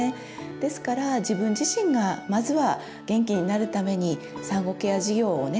ですから自分自身がまずは元気になるために産後ケア事業をね